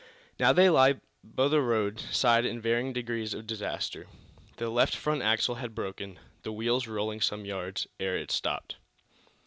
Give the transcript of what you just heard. Now, they lay by the road side in varying degrees of disaster. The left front axle had broken, the wheel rolling some yards ere it stopped.